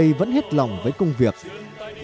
các anh không ngại khó không ngại khổ